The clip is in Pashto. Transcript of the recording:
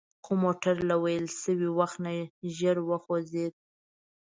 خو موټر له ویل شوي وخت نه ژر وخوځید.